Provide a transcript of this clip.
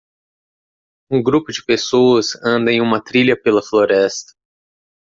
Um grupo de pessoas anda em uma trilha pela floresta.